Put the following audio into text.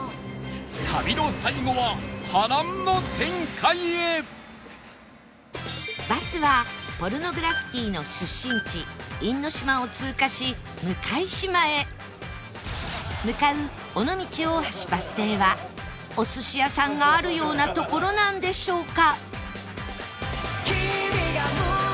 旅の最後はバスはポルノグラフィティの出身地因島を通過し向島へ向かう尾道大橋バス停はお寿司屋さんがあるような所なんでしょうか？